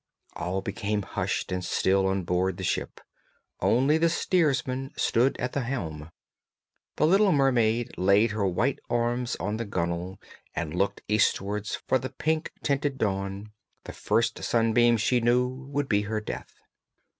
All became hushed and still on board the ship, only the steersman stood at the helm; the little mermaid laid her white arms on the gunwale and looked eastwards for the pink tinted dawn; the first sunbeam, she knew, would be her death.